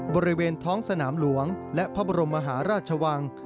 บริเวณท้องสนามหลวงและพระบรมมหาราชวัง